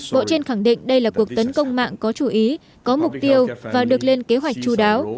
bộ trên khẳng định đây là cuộc tấn công mạng có chú ý có mục tiêu và được lên kế hoạch chú đáo